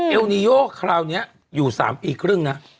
เอลนีโยคราวนี้อยู่๓ปีครึ่งนะ